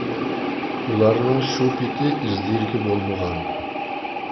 ئۇلارنىڭ شۇ پېتى ئىز-دېرىكى بولمىغان.